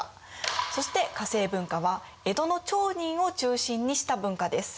そして化政文化は江戸の町人を中心にした文化です。